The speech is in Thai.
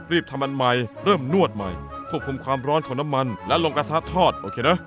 ทำอันใหม่เริ่มนวดใหม่ควบคุมความร้อนของน้ำมันและลงกระทะทอดโอเคนะ